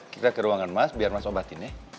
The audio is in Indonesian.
kita ke ruangan mas biar mas obatin ya